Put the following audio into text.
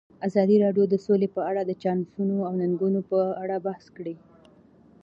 ازادي راډیو د سوله په اړه د چانسونو او ننګونو په اړه بحث کړی.